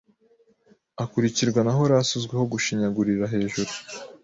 Akurikirwa na Horace uzwiho gushinyagurira hejuru